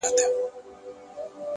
ژور انسان ژورې پوښتنې کوي